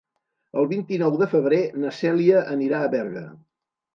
El vint-i-nou de febrer na Cèlia anirà a Berga.